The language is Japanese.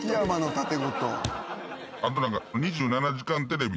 あと何か。